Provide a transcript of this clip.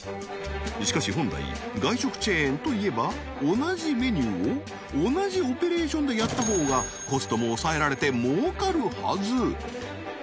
しかし本来外食チェーンといえば同じメニューを同じオペレーションでやった方がコストも抑えられて儲かるはず